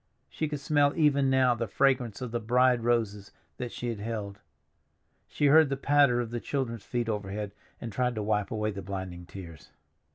She could smell even now the fragrance of the bride roses that she had held. She heard the patter of the children's feet overhead, and tried to wipe away the blinding tears.